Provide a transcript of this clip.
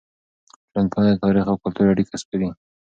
ټولنپوهنه د تاریخ او کلتور اړیکه سپړي.